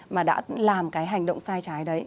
mà đã làm cái hành động sai trái đấy